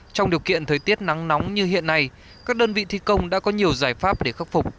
trong điều kiện thời tiết nắng nóng như hiện nay các đơn vị thi công đã có nhiều giải pháp để khắc phục